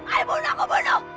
ayo bunuh aku bunuh